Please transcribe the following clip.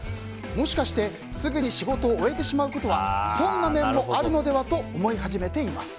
もしかしてすぐに仕事を終えてしまうことは損な面もあるのでは？と思い始めています。